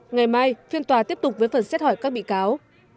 ngày mai phiên tòa tiếp tục với phần xét hỏi các bị cáo